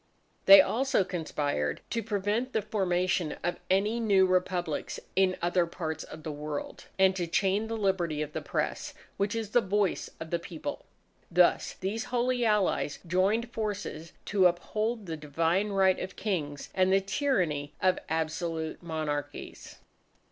They also conspired to prevent the formation of any new Republics in other parts of the World, and to chain the liberty of the Press, which is the Voice of the People. Thus these Holy Allies joined forces to uphold the divine right of Kings and the tyranny of absolute monarchies.